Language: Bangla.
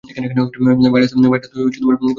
ভাইরাস কোন ছেলেখেলা না!